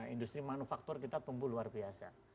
industri manufaktur kita tumbuh luar biasa